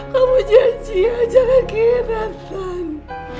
kamu janji aja nggak kianatan